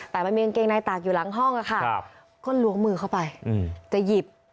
แต่มันมีกางเกงในตากอยู่หลังห้องค่ะก็ล้วงมือเข้าไปจะหยิบ